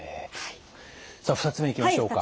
さあ２つ目にいきましょうか。